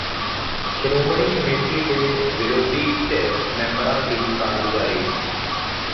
Shiromani committee ਦੇ ਵਿਰੋਧੀ ਧਿਰ ਮੈਂਬਰਾਂ ਦੀ ਕਾਰਗੁਜ਼ਾਰੀ